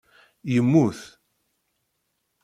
Yemmut